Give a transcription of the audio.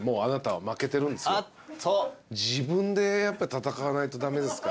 自分でやっぱ戦わないと駄目ですから。